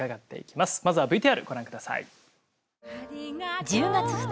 まずはＶＴＲご覧ください。